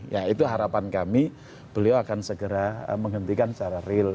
ya itu harapan kami beliau akan segera menghentikan secara real